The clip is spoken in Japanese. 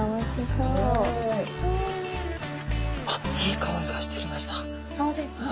そうですね。